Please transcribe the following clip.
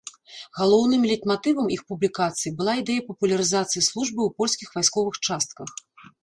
Галоўным лейтматывам іх публікацый была ідэя папулярызацыі службы ў польскіх вайсковых частках.